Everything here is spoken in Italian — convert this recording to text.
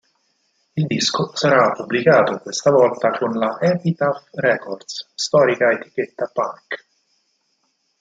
Il disco sarà pubblicato questa volta con la Epitaph Records, storica etichetta punk.